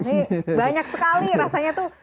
ini banyak sekali rasanya tuh